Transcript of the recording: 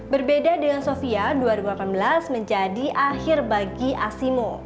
berbeda dengan sofia dua ribu delapan belas menjadi akhir bagi asimo